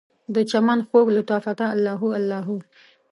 دچمن خوږ لطافته، الله هو الله هو